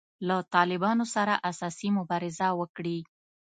له طالبانو سره اساسي مبارزه وکړي.